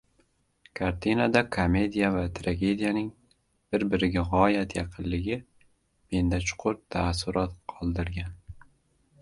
Kartinada komediya va tragediyaning bir-biriga g‘oyat yaqinligi menda chuqur taassurot qoldirgan.